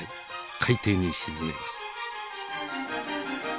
海底に沈めます。